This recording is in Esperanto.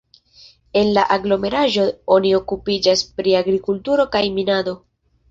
En la aglomeraĵo oni okupiĝas pri agrikulturo kaj minado.